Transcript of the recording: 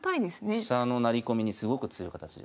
飛車の成り込みにすごく強い形です。